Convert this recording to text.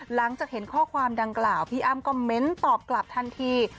หลังจากเห็นข้อความดังกล่าวพี่อ้ำก็เม้นตอบกลับทันที